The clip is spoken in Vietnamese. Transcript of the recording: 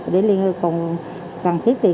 để liên hệ cùng cần thiết tiện